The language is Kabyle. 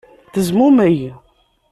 Tezmumeg.